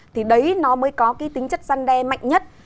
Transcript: thì đấy nó mới có cái tính chất gian đe mạnh nhất